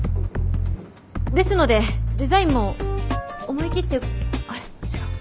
ですのでデザインも思い切ってあれ違う。